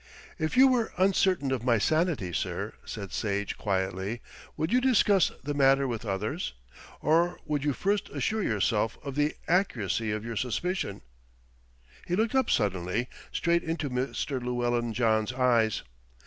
"If you were uncertain of my sanity, sir," said Sage quietly, "would you discuss the matter with others, or would you first assure yourself of the accuracy of your suspicions?" He looked up suddenly, straight into Mr. Llewellyn John's eyes.